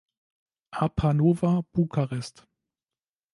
Apa Nova Bukarest.